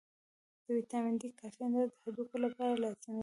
د ویټامین D کافي اندازه د هډوکو لپاره لازمي ده.